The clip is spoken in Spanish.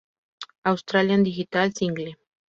Australian Digital single